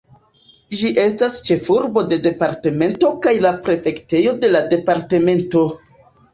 Ĝi estas ĉefurbo de departemento kaj la prefektejo de la departemento.